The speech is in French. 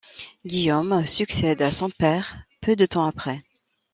Guillaume succède à son père peu de temps après.